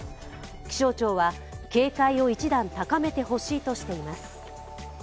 気象庁は警戒を一段高めてほしいとしています。